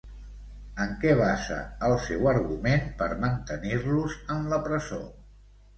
En què basa el seu argument per mantenir-los en la presó?